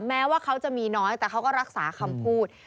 แม้ว่าเขาจะมีน้อยแต่เขาก็รักษาคำพูด